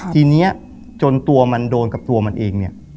ทีนี้จนตัวมันโดนกับตัวมันเองเนี่ย